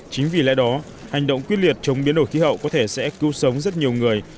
chính vì lẽ đó hành động quyết liệt chống biến đổi khí hậu có thể sẽ cứu sống rất nhiều người